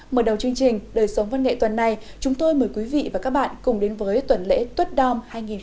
mở đầu chương trình đời sống văn nghệ tuần này chúng tôi mời quý vị và các bạn cùng đến với tuần lễ tuất đom hai nghìn một mươi chín